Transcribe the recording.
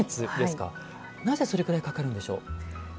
なぜそれくらいかかるんでしょう？